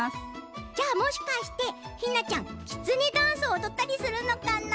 じゃあもしかしてひなちゃんきつねダンスおどったりするのかな？